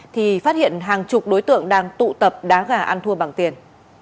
thì phát hiện hàng chục đối tượng đang tụ tập đá gà ăn thua bằng tiền